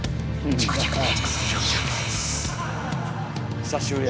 久しぶりや。